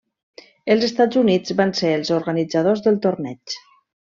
Els Estats Units van ser els organitzadors del torneig.